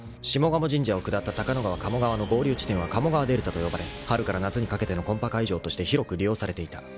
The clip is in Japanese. ［下鴨神社を下った高野川賀茂川の合流地点は「鴨川デルタ」と呼ばれ春から夏にかけてのコンパ会場として広く利用されていた］